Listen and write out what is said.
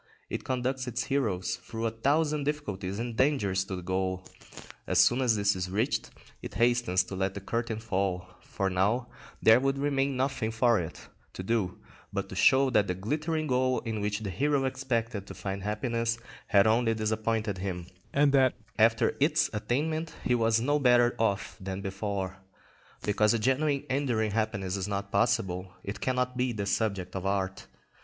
It conducts its heroes through a thousand difficulties and dangers to the goal; as soon as this is reached, it hastens to let the curtain fall; for now there would remain nothing for it to do but to show that the glittering goal in which the hero expected to find happiness had only disappointed him, and that after its attainment he was no better off than before. Because a genuine enduring happiness is not possible, it cannot be the subject of art.